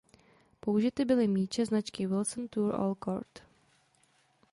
Použity byly míče značky „Wilson Tour All Court“.